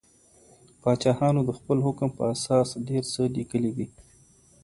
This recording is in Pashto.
پاچاهانو د خپل حکم په اساس ډیر څه لیکلي دي.